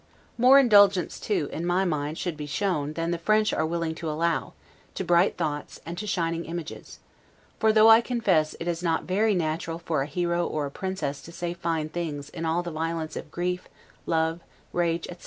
More indulgence too, in my mind, should be shown, than the French are willing to allow, to bright thoughts, and to shining images; for though, I confess, it is not very natural for a hero or a princess to say fine things in all the violence of grief, love, rage, etc.